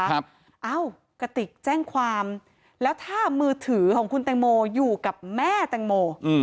เอ้ากระติกแจ้งความแล้วถ้ามือถือของคุณแตงโมอยู่กับแม่แตงโม